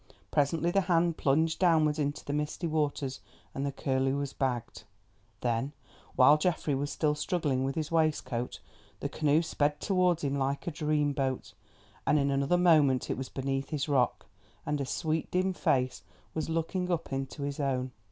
Presently the hand plunged downwards into the misty waters and the curlew was bagged. Then, while Geoffrey was still struggling with his waistcoat, the canoe sped towards him like a dream boat, and in another moment it was beneath his rock, and a sweet dim face was looking up into his own.